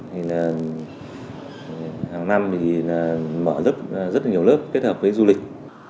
hàng năm mở rất nhiều lớp kết hợp với du lịch